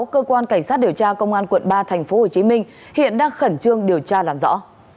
cơ quan cảnh sát điều tra công an quận ba tp hcm hiện đang khẩn trương điều tra làm rõ